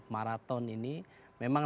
maraton ini memang